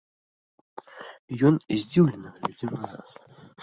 Ён здзіўлена глядзеў на нас.